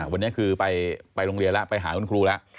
วันนี้คือไปโรงเรียนแล้วไปหาคุณครูแล้ว